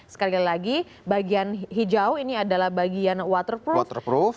sekali lagi bagian hijau ini adalah bagian waterproadroof